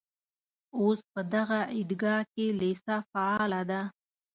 اوس په دغه عیدګاه کې لېسه فعاله ده.